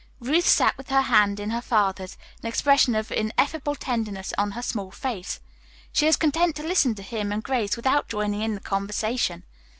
Ruth sat with her hand in her father's, an expression of ineffable tenderness on her small face. She was content to listen to him and Grace without joining in the conversation.